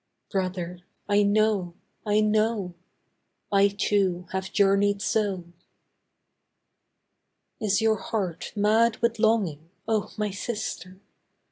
Brother, I know, I know! I, too, have journeyed so. Is your heart mad with longing, oh, my sister?